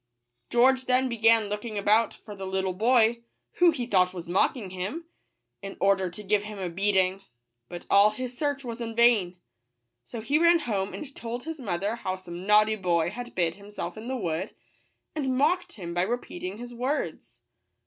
George then began looking about for the little boy, who he thought was mocking him, in order to give him a beating ; but all his search was in vain. So he ran home and told his mother how some naughty boy had hid himself in the wood, and mocked him by re peating his words.